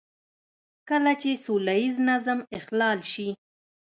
کله چې سوله ييز نظم اخلال شي.